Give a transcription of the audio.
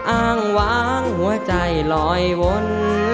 อ้างวางหัวใจลอยวน